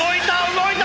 動いた！